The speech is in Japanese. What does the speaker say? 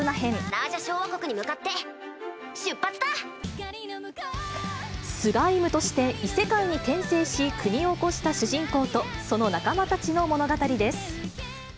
ラージャ小亜国に向かって出スライムとして、異世界に転生し、国を興した主人公と、その仲間たちの物語です。